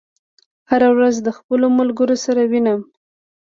هره ورځ د خپلو ملګرو سره وینم.